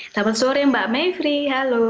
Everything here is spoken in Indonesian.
selamat sore mbak mevri halo